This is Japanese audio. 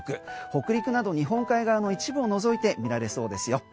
北陸など日本海側の一部を除いて見られそうですよ。